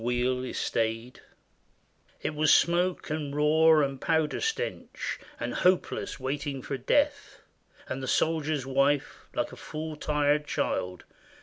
THE RELIEF OF LUCKNOW It was smoke and roar and powder stench, And hopeless waiting for death; And the soldier's wife, like a full tired child.